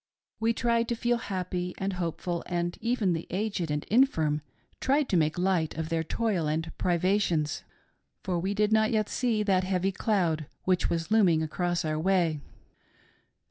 We tried to feer happy and hopeful, and i even the aged and infirm tried to make light of their toil and privations, for We did not yet see that heavy cloud which was looming across our way.